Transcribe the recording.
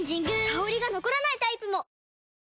香りが残らないタイプも！